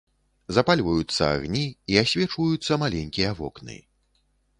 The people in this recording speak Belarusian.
Запальваюцца агні, і асвечваюцца маленькія вокны.